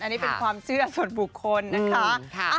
อันนี้เป็นความเชื่อส่วนบุคคลนะคะ